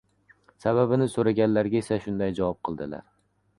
Sababini so‘raganlarga esa shunday javob qilibdilar: